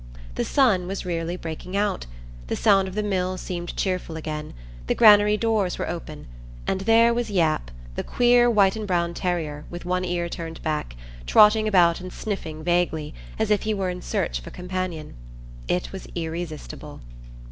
The sun was really breaking out; the sound of the mill seemed cheerful again; the granary doors were open; and there was Yap, the queer white and brown terrier, with one ear turned back, trotting about and sniffing vaguely, as if he were in search of a companion. It was irresistible.